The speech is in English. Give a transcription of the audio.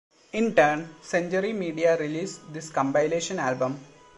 In turn, Century Media released this compilation album.